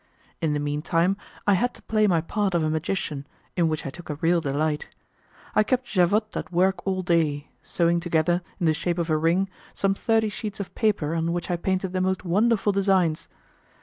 In the mean time I had to play my part of a magician, in which I took a real delight. I kept Javotte at work all day, sewing together, in the shape of a ring, some thirty sheets of paper on which I painted the most wonderful designs.